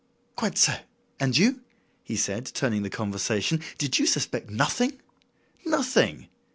"Quite so. And you," he said, turning the conversation, "did you suspect nothing?" "Nothing!"